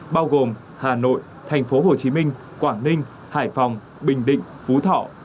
bao gồm hà nội thành phố hồ chí minh quảng ninh hải phòng bình định phú thọ